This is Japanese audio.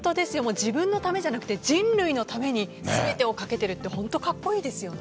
自分のためじゃなくて人類のために全てをかけているって本当カッコイイですよね。